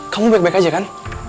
kamu baik baik aja kan